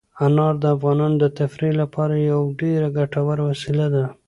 انار د افغانانو د تفریح لپاره یوه ډېره ګټوره وسیله ده.